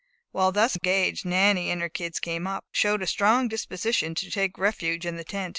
While thus engaged, Nanny and her kids came up, and showed a strong disposition to take refuge in the tent.